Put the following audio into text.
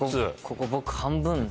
ここ僕半分。